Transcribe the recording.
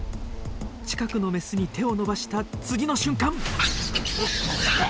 近くのメスに手を伸ばした次の瞬間！